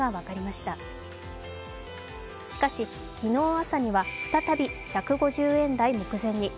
しかし、昨日朝には再び１５０円台目前に。